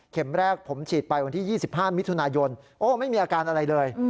แรกผมฉีดไปวันที่๒๕มิถุนายนโอ้ไม่มีอาการอะไรเลย